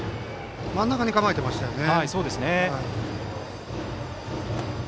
真ん中に構えていましたよね。